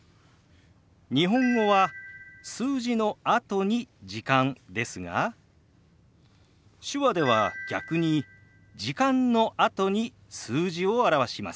日本語は数字のあとに「時間」ですが手話では逆に「時間」のあとに数字を表します。